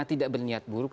tidak berniat buruk